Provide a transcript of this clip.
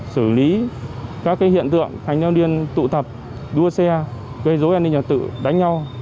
xử lý các hiện tượng thành thiếu niên tụ tập đua xe gây dối an ninh trật tự đánh nhau